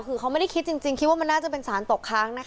คือเขาไม่ได้คิดจริงคิดว่ามันน่าจะเป็นสารตกค้างนะคะ